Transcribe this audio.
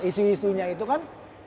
isu isunya itu kan